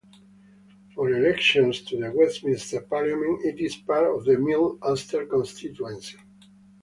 For elections to the Westminster Parliament it is part of the Mid Ulster constituency.